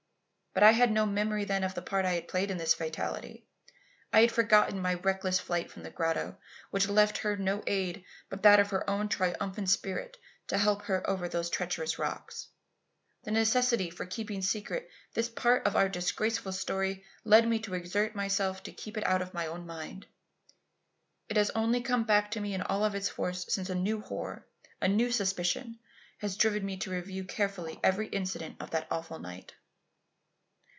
But I had no memory then of the part I had played in this fatality. I had forgotten my reckless flight from the grotto, which left her with no aid but that of her own triumphant spirit to help her over those treacherous rocks. The necessity for keeping secret this part of our disgraceful story led me to exert myself to keep it out of my own mind. It has only come back to me in all its force since a new horror, a new suspicion, has driven me to review carefully every incident of that awful night.